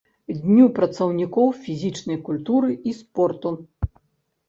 Дню працаўнікоў фізічнай культуры і спорту.